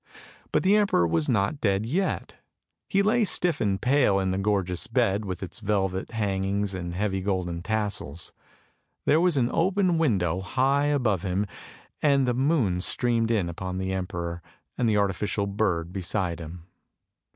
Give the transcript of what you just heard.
But the emperor was not dead yet. He lay stiff and pale in the gorgeous bed with its velvet hangings and heavy golden tassels. There was an open window high above him, and the moon streamed in upon the emperor, and the artificial bird beside him.